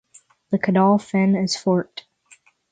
The caudal fin is forked.